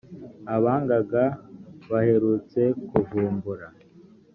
abaganga baherutse kuvumbura